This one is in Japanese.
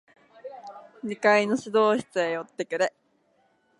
二階の指導室へ寄ってくれ。